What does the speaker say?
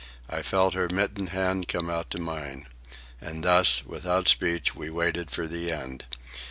I felt her mittened hand come out to mine. And thus, without speech, we waited the end.